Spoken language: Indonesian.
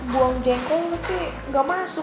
buang jengkol mungkin gak masuk